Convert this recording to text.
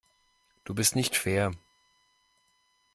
Du bist nicht fair.